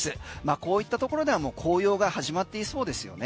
こういったところではもう紅葉が始まっていそうですよね。